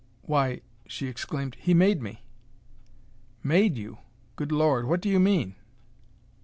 "Why," she exclaimed, "he made me!" "Made you? Good Lord! What do you mean?"